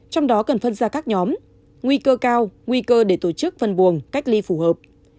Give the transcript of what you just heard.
trong đó cần phân ra các nhóm nguy cơ cao nguy cơ để tổ chức phân luồng cách ly phù hợp